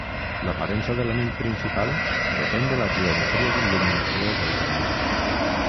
L'aparença de l'anell principal depèn de la geometria d'il·luminació dels anells.